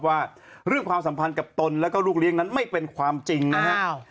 ว่าเรื่องความสัมพันธ์กับตนแล้วก็ลูกเลี้ยงนั้นไม่เป็นความจริงนะครับ